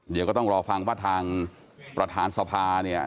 เดี๋ยวก็ต้องรอฟังว่าทางประธานสภาเนี่ย